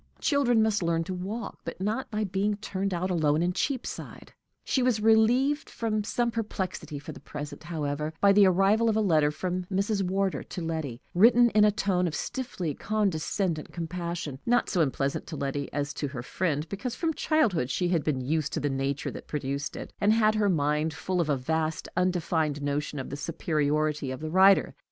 Children must learn to walk, but not by being turned out alone in Cheapside. She was relieved from some perplexity for the present, however, by the arrival of a letter from Mrs. Wardour to Letty, written in a tone of stiffly condescendent compassion not so unpleasant to Letty as to her friend, because from childhood she had been used to the nature that produced it, and had her mind full of a vast, undefined notion of the superiority of the writer.